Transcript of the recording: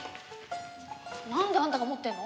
なんであんたが持ってんの？